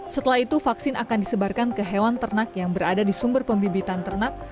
setelah itu vaksin akan disebarkan ke hewan ternak yang berada di sumber pembibitan ternak